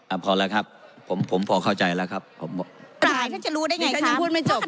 อ่าพอแล้วครับผมผมพอเข้าใจแล้วครับผมท่านยังพูดไม่จบค่ะ